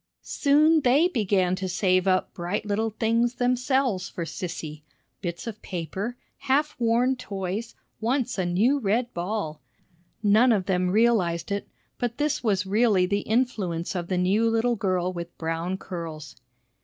Soon they began to save up bright little things themselves for Sissy bits of paper, half worn toys, once a new red ball. None of them realized it, but this really the influence of the new little girl with brown curls.